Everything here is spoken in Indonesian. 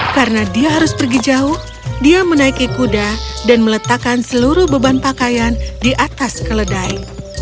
karena dia harus pergi jauh dia menaiki kuda dan meletakkan seluruh beban pakaian di atas keledai